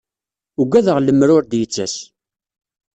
Ugadeɣ lemmer ur d-yettas.